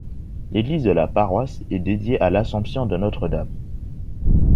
L'église de la paroisse est dédiée à l'Assomption-de-Notre-Dame.